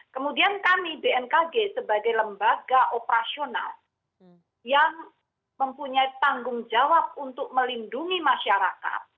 kemudian kami bmkg sebagai lembaga operasional yang mempunyai tanggung jawab untuk melindungi masyarakat